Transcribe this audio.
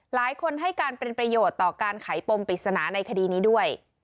หลายคนให้การเป็นประโยชน์ต่อการไขปมปริศนาในคดีนี้ด้วย